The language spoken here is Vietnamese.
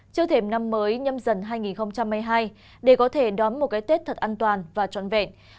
chưa thềm năm mới nhâm dần hai nghìn một mươi hai để có thể đón một cái tết thật an toàn và trọn vẹn